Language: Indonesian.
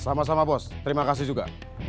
sama sama bos terima kasih juga